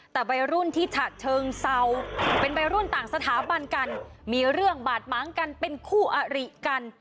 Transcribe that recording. แต่วัยรุ่นที่ฉะเชิงเซาเป็นวัยรุ่นต่างสถาบันกันมีเรื่องบาดม้างกันเป็นคู่อริกัน